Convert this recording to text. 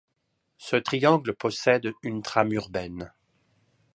Ce triangle possède une trame urbaine.